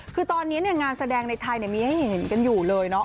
คือตอนนี้งานแสดงในไทยมีให้เห็นกันอยู่เลยเนาะ